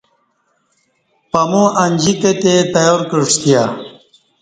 پمو انجی کہ تے تیار کعسیہ